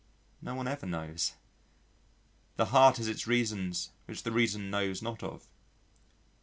No one ever knows. "The heart has its reasons which the reason knows not of."